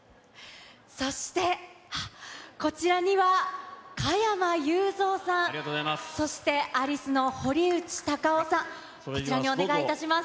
そして、こちらには、加山雄三さん、そして、アリスの堀内孝雄さん。こちらにお願いいたします。